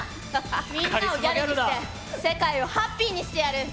みんなをギャルにして世界をハッピーにしてやる！